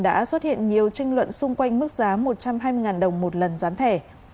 đã xuất hiện nhiều tranh luận xung quanh mức giá một trăm hai mươi đồng một lần gián thẻ